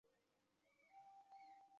青岛的教育历史悠久。